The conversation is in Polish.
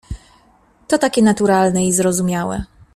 "To takie naturalne i zrozumiałe."